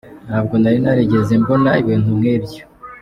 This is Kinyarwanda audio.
Ntabwo nari narigeze mbona ibintu nk’ibyo.